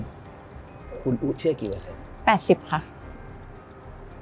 คุณอุ๊ดเชื่อกี่เปอร์เซ็นต์